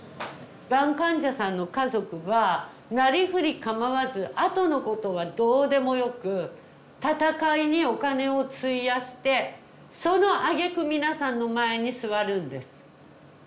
がん患者さんの家族はなりふり構わずあとのことはどうでもよく闘いにお金を費やしてそのあげく皆さんの前に座るんです。